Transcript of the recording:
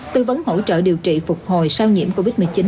tư vấn hỗ trợ điều trị phục hồi sau nhiễm covid một mươi chín